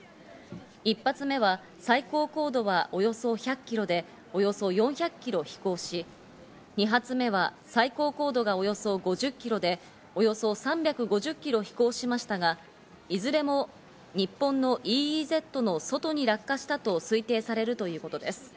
１発目は最高高度はおよそ１００キロで、およそ４００キロ飛行し、２発目は最高高度がおよそ５０キロで、およそ３５０キロ飛行しましたが、いずれも日本のＥＥＺの外に落下したと推定されるということです。